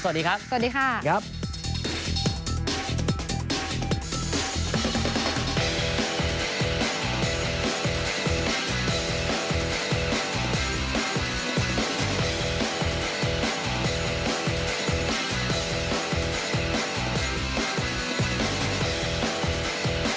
สวัสดีครับสวัสดีค่ะ